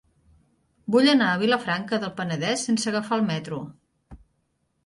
Vull anar a Vilafranca del Penedès sense agafar el metro.